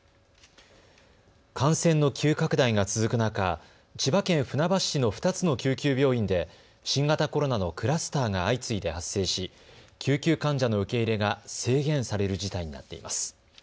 感染の急拡大が続く中、千葉県船橋市の２つの救急病院で新型コロナのクラスターが相次いで発生し救急患者の受け入れが制限される事態になっています。